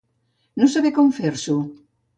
No saber com fer-s'ho.